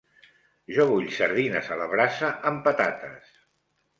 Jo vull sardines a la brasa amb patates.